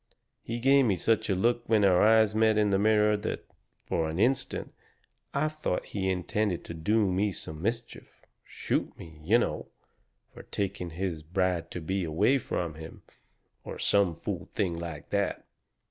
He gave me such a look when our eyes met in the mirror that, for an instant, I thought that he intended to do me some mischief shoot me, you know, for taking his bride to be away from him, or some fool thing like that.